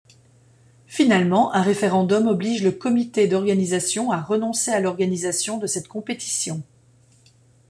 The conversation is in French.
Finalement, un référendum oblige le comité d'organisation à renoncer à l'organisation de cette compétition.